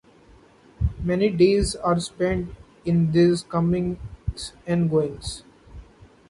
Many days are spent in these comings and goings.